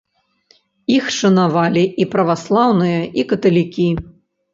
Іх шанавалі і праваслаўныя, і каталікі.